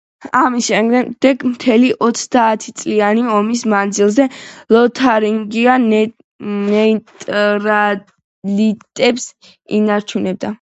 ამის შემდეგ, მთელი ოცდაათწლიანი ომის მანძილზე ლოთარინგია ნეიტრალიტეტს ინარჩუნებდა.